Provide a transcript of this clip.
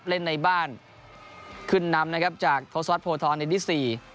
เล่นในบ้านขึ้นนำนะครับจากทศวรรษโพธรในที่สี่